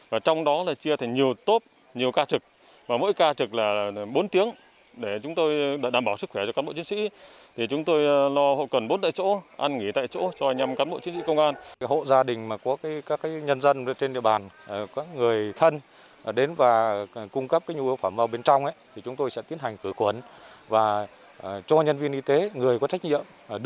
và cho nhân viên y tế người có trách nhiệm đưa đến tương hộ